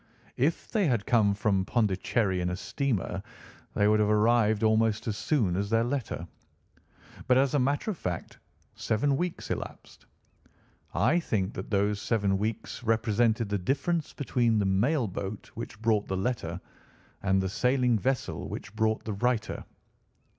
If they had come from Pondicherry in a steamer they would have arrived almost as soon as their letter. But, as a matter of fact, seven weeks elapsed. I think that those seven weeks represented the difference between the mail boat which brought the letter and the sailing vessel which brought the writer."